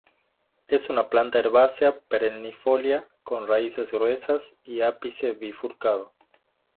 Es una planta herbácea perennifolia con raíces gruesas y ápice bifurcado.